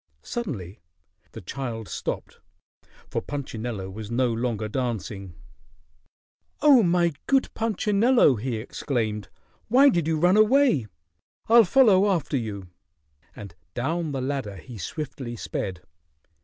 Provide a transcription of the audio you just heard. Suddenly the child stopped, for Punchinello was no longer dancing. "Oh, my good Punchinello!" he exclaimed. "Why did you run away? I'll follow after you," and down the ladder he swiftly sped.